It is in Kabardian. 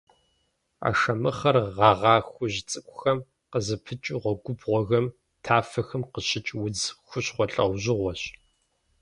Ашэмыхъэр гъэгъа хужь цӏыкӏухэр къызыпыкӏэу гъуэгубгъухэм, тафэхэм къыщыкӏ удз хущхъуэ лӏэужьыгъуэщ.